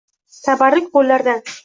Tabarruk qo’llardan